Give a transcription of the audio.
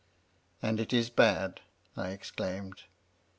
"* And it is bad 1' I exclaimed.